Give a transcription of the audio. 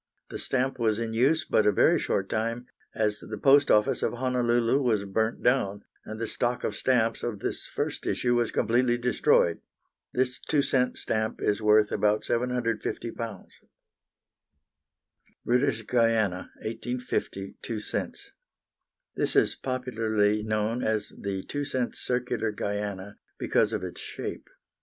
The stamp was in use but a very short time, as the Post Office of Honolulu was burnt down, and the stock of stamps of this first issue was completely destroyed. This 2 cents stamp is worth about £750. British Guiana, 1850, 2 cents. This is popularly known as the 2 cents circular Guiana, because of its shape.